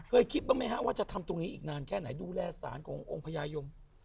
คิดบ้างไหมฮะว่าจะทำตรงนี้อีกนานแค่ไหนดูแลสารขององค์พญายม